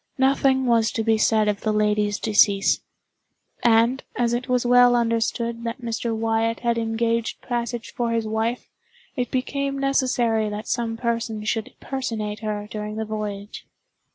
Nothing was to be said of the lady's decease; and, as it was well understood that Mr. Wyatt had engaged passage for his wife, it became necessary that some person should personate her during the voyage.